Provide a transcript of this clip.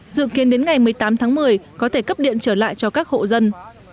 dự kiến đến ngày một mươi tám tháng một mươi có thể cấp điện trở lại cho các hộ dân